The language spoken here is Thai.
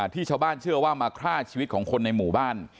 ชาวบ้านเชื่อว่ามาฆ่าชีวิตของคนในหมู่บ้าน